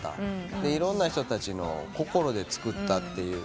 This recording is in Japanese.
いろんな人たちの心で作ったっていう。